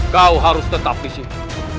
kau harus tetap di situ